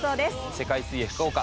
世界水泳福岡